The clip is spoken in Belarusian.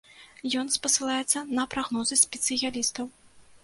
Ён спасылаецца на прагнозы спецыялістаў.